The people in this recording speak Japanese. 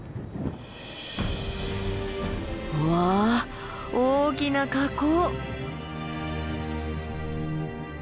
わあ大きな火口。